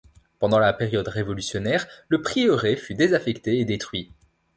Pendant la période révolutionnaire, le prieuré fut désaffecté et détruit.